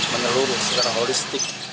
menelurus secara holistik